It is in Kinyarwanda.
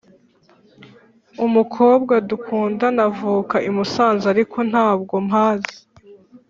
Umukobwa dukundana avuka imusanze ariko ntabwo mpazi